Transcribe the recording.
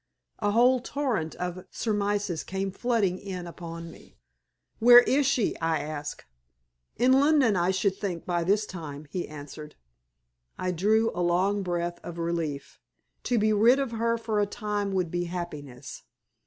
A whole torrent of surmises came flooding in upon me. "Where is she?" I asked. "In London, I should think, by this time," he answered. I drew a long breath of relief. To be rid of her for a time would be happiness.